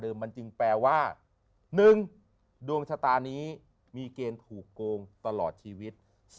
มันจึงแปลว่า๑ดวงชะตานี้มีเกณฑ์ถูกโกงตลอดชีวิต